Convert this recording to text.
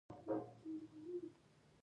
ژبه د فرهنګ د بقا وسیله ده.